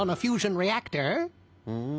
うん。